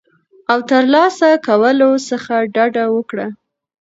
او ترلاسه کولو څخه ډډه وکړه